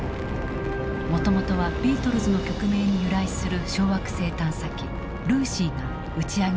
もともとはビートルズの曲名に由来する小惑星探査機ルーシーが打ち上げられた。